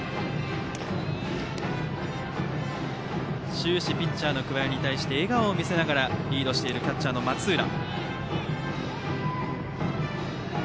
終始ピッチャーの桑江に対して笑顔を見せながらリードしているキャッチャー松浦。